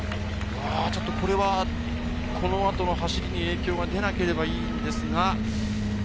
この後の走りに影響が出なければいいんですが。